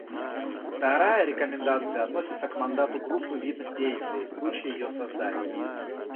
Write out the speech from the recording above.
Вторая рекомендация относится к мандату группы видных деятелей в случае ее создания.